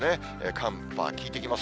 寒波きいてきます。